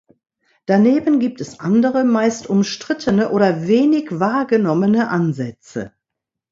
Daneben gibt es andere, meist umstrittene oder wenig wahrgenommene Ansätze.